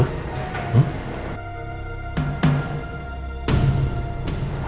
kenapa nino selalu serun differently